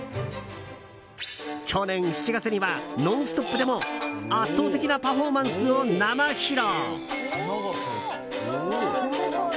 去年７月には「ノンストップ！」でも圧倒的なパフォーマンスを生披露。